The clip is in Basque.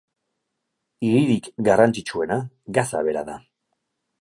Hiririk garrantzitsuena Gaza bera da.